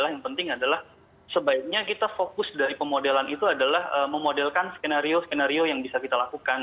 yang penting adalah sebaiknya kita fokus dari pemodelan itu adalah memodelkan skenario skenario yang bisa kita lakukan